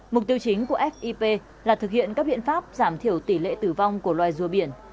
mục tiêu chính của fip là thực hiện các biện pháp giảm thiểu tỷ lệ tử vong của loài rùa biển